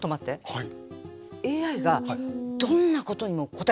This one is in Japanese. はい。